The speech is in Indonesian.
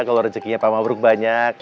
kalo rezekinya pak mabruk banyak